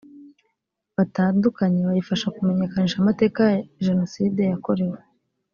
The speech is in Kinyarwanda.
batandukanye bayifasha kumenyekanisha amateka ya jenoside yakorewe